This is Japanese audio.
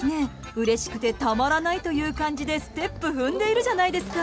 うれしくたまらないという感じでステップ踏んでいるじゃないですか！